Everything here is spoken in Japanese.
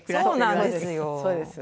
そうなんですよ。